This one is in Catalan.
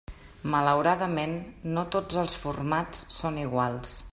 Malauradament, no tots els formats són iguals.